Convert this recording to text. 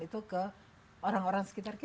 itu ke orang orang sekitar kita